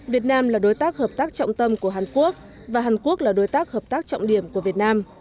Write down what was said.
việt nam là đối tác hợp tác trọng tâm của hàn quốc và hàn quốc là đối tác hợp tác trọng điểm của việt nam